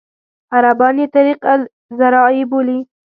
عربان یې طریق الزراعي بولي.